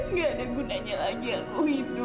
nggak ada gunanya lagi aku hindu